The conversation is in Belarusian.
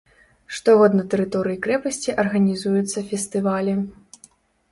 Штогод на тэрыторыі крэпасці арганізуюцца фестывалі.